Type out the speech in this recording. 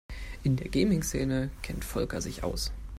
In der Gaming-Szene kennt Volker sich aus.